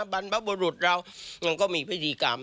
บรรพบุรุษเราก็มีพฤติกรรม